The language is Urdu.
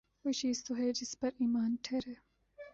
کوئی چیز تو ہو جس پہ ایمان ٹھہرے۔